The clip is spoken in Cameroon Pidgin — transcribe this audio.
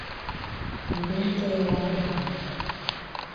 You don tell landlord?